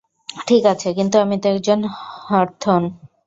ঠিক আছে, কিন্তু, আমি তো একজন হথর্ন।